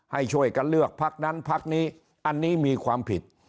ให้ช่วยกันเลือกพักนั้นพักนี้อันนี้มีความผิด